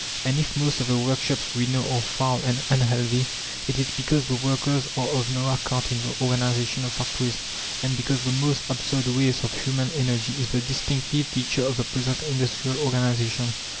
And if most of the workshops we know are foul and unhealthy, it is because the workers are of no account in the organization of factories, and because the most absurd waste of human energy is the distinctive feature of the present industrial organization.